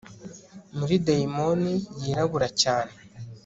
muri dayimoni yirabura cyane